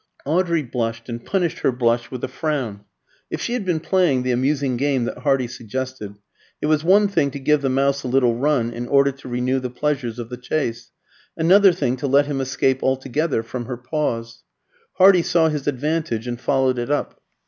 Audrey blushed, and punished her blush with a frown. If she had been playing the amusing game that Hardy suggested, it was one thing to give the mouse a little run in order to renew the pleasures of the chase, another thing to let him escape altogether from her paws. Hardy saw his advantage and followed it up.